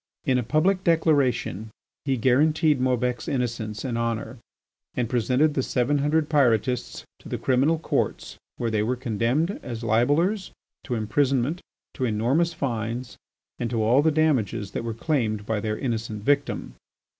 In a public declaration he guaranteed Maubec's innocence and honour, and presented the seven hundred Pyrotists to the criminal courts where they were condemned, as libellers, to imprisonment, to enormous fines, and to all the damages that were claimed by their innocent victim.